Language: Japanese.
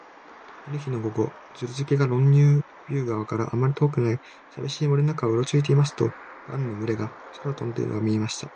ある日の午後、ズルスケがロンネビュー川からあまり遠くない、さびしい森の中をうろついていますと、ガンの群れが空を飛んでいるのが見えました。